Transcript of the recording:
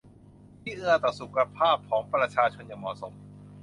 ที่เอื้อต่อสุขภาพของประชาชนอย่างเหมาะสม